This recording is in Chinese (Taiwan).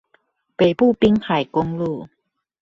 北部濱海公路